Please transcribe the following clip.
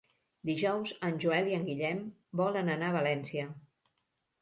Dijous en Joel i en Guillem volen anar a València.